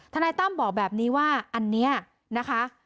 นายตั้มบอกแบบนี้ว่าอันนี้นะคะ